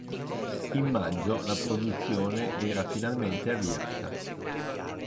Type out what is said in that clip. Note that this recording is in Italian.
In maggio la produzione era finalmente avviata.